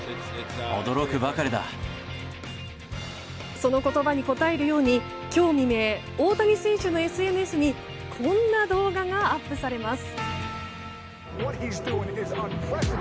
その言葉に応えるように今日未明大谷選手のＳＮＳにこんな動画がアップされます。